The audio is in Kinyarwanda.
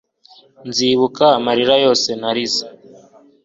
nzibuka amarira yose narize